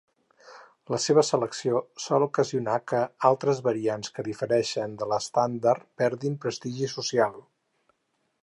La seva selecció sol ocasionar que altres varietats que difereixen de l'estàndard perdin prestigi social.